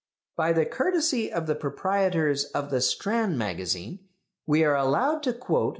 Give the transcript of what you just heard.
By the courtesy of the proprietors of the Strand Magazine we are allowed to quote M.